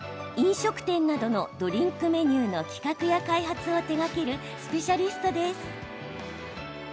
飲食店などのドリンクメニューの企画や開発を手がけるスペシャリストです。